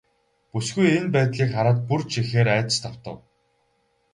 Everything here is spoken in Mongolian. Бүсгүй энэ байдлыг хараад бүр ч ихээр айдаст автав.